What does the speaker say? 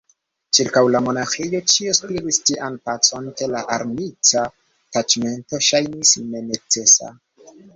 Ĉirkaŭ la monaĥejo ĉio spiris tian pacon, ke la armita taĉmento ŝajnis nenecesa.